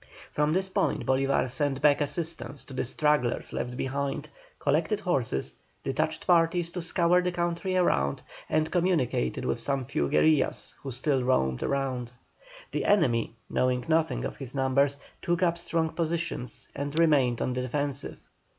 From this point Bolívar sent back assistance to the stragglers left behind, collected horses, detached parties to scour the country around, and communicated with some few guerillas who still roamed about. The enemy, knowing nothing of his numbers, took up strong positions, and remained on the defensive.